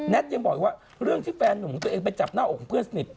ยังบอกอีกว่าเรื่องที่แฟนหนุ่มของตัวเองไปจับหน้าอกของเพื่อนสนิท